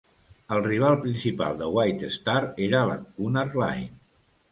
El rival principal de White Star era la Cunard Line.